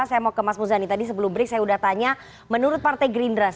saya mau ke mas muzani tadi sebelum break saya sudah tanya menurut partai gerindra